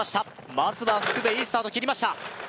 まずは福部いいスタートをきりました